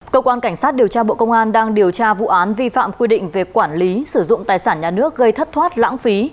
cơ quan cảnh sát điều tra bộ công an đang điều tra vụ án vi phạm quy định về quản lý sử dụng tài sản nhà nước gây thất thoát lãng phí